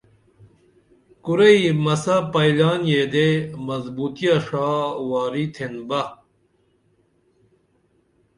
کُرئی مسہ پئیلان یدے مظبوطیہ ݜا واری تھین بہ